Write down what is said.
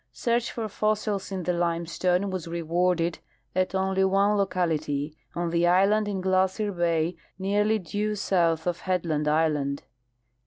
Search for fossils in the limestone was rewarded at only one locality, on the island in Glacier bay nearly due south of Headland island.